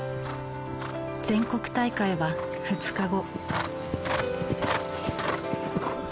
全国大会は２日後。